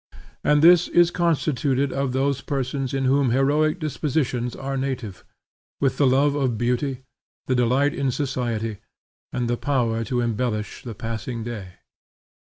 And this is constituted of those persons in whom heroic dispositions are native; with the love of beauty, the delight in society, and the power to embellish the passing day.